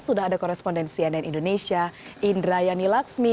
sudah ada korespondensi ann indonesia indra yani laksmi